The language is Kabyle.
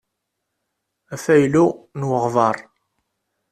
Afaylu n weɣbaṛ.